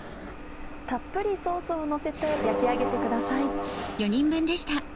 たっぷりソースをのせて焼き上げてください。